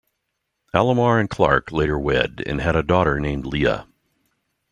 Alomar and Clark later wed and had a daughter named Lea.